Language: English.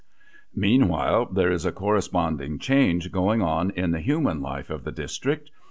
Meanwhile, there is a corresponding change going on in the human life of the district.